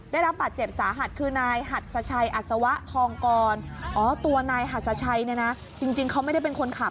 ได้รับบาดเจ็บสาหัสคือนายหัดสชัยอัศวะทองกรอ๋อตัวนายหัสชัยเนี่ยนะจริงเขาไม่ได้เป็นคนขับ